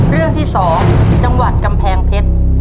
เรื่องที่๒จังหวัดกำแพงเพชร